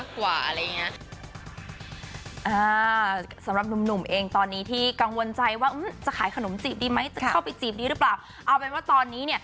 แต่ถ้าเราจะไปทะเลเราก็ตามนั้น